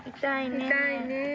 痛いね。